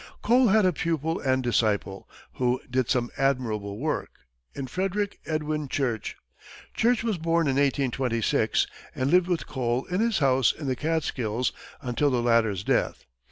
Cole had a pupil and disciple, who did some admirable work, in Frederick Edwin Church. Church was born in 1826, and lived with Cole in his house in the Catskills until the latter's death.